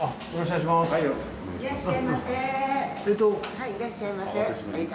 はいいらっしゃいませ痛い。